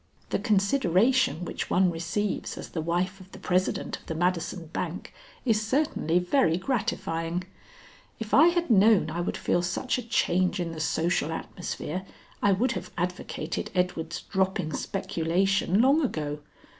The consideration which one receives as the wife of the president of the Madison bank is certainly very gratifying. If I had known I would feel such a change in the social atmosphere, I would have advocated Edward's dropping speculation long ago.